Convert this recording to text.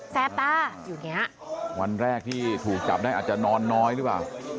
แปบตาอยู่อย่างเงี้ยวันแรกที่ถูกจับได้อาจจะนอนน้อยหรือเปล่า